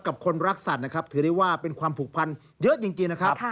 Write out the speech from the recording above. คนรักสัตว์นะครับถือได้ว่าเป็นความผูกพันเยอะจริงนะครับ